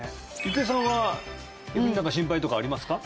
郁恵さんは何か心配とかありますか？